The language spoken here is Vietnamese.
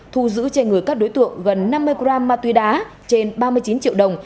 thu giữ trên người các đối tượng gần năm mươi gram ma túy đá trên ba mươi chín triệu đồng